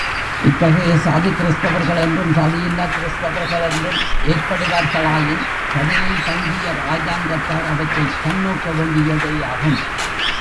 இத்தகைய சாதிக் கிறிஸ்தவர்களென்றும் சாதியில்லாக் கிறிஸ்தவர்களென்றும் ஏற்படுவார்களாயின் கருணை தங்கிய ராஜாங்கத்தார் அவற்றைக் கண்ணோக்க வேண்டியதேயாகும்.